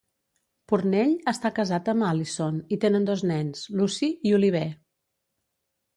Purnell està casat amb Alison i tenen dos nens, Lucy i Oliver.